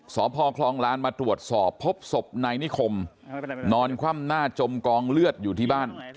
สพคลองล้านมาตรวจสอบพบศพนายนิคมนอนคว่ำหน้าจมกองเลือดอยู่ที่บ้าน